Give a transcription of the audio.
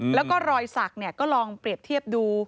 แล้วก็รอยสักก็ลองเปรียบเทียบดู